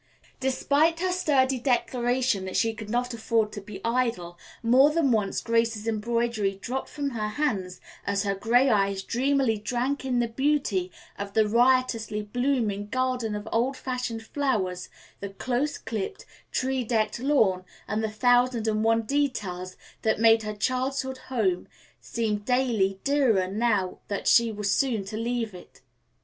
Despite her sturdy declaration that she could not afford to be idle, more than once Grace's embroidery dropped from her hands as her gray eyes dreamily drank in the beauty of the riotously blooming garden of old fashioned flowers, the close clipped, tree decked lawn and the thousand and one details that made her childhood's home seem daily dearer now that she was so soon to leave it.